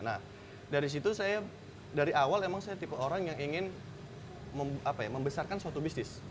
nah dari situ saya dari awal emang saya tipe orang yang ingin membesarkan suatu bisnis